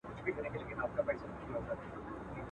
كه لاسونه مي پرې كېږي سترگي نه وي.